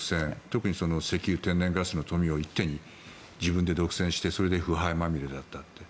特に石油、天然ガスの富を一手に自分で独占してそれで腐敗まみれだったと。